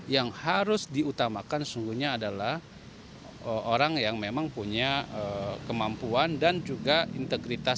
yang harus diutamakan sungguhnya adalah orang yang memang punya kemampuan dan juga integritas